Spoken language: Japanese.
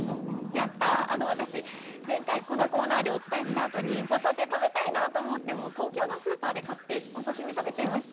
やったー、私、前回、このコーナーでお伝えしたあとに、ホタテ食べたいなと思って、東京のスーパーで買って、お刺身食べちゃいました。